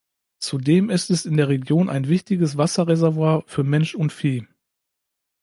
Zudem ist es in der Region ein wichtiges Wasserreservoir für Mensch und Vieh.